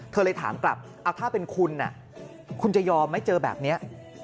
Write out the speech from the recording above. เลยถามกลับเอาถ้าเป็นคุณคุณจะยอมไหมเจอแบบนี้